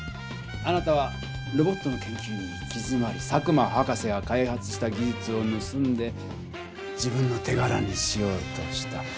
あなたはロボットの研究に行きづまり佐久間博士が開発した技術をぬすんで自分のてがらにしようとした。